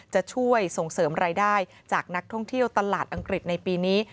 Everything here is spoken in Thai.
จะช่วยส่งเสริมรายได้จากนักท่องเที่ยวตลาดอังกฤษในปีนี้